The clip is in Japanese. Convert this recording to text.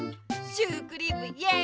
シュークリームイエイ！